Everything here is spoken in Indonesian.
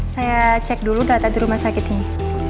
saya cek dulu data di rumah sakit ini